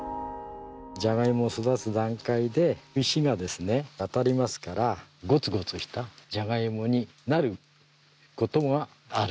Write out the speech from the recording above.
じゃがいもが育つ段階で石がですね当たりますからゴツゴツしたじゃがいもになる事があるっていう。